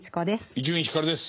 伊集院光です。